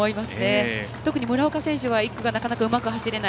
特に村岡選手は１区がなかなかうまく走れない。